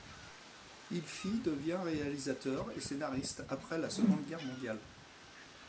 Il fit devient réalisateur et scénariste après la Seconde Guerre mondiale.